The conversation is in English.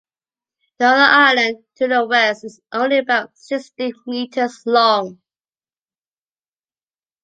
The other island to the west is only about sixty meters long.